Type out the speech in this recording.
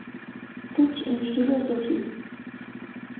Toute une philosophie.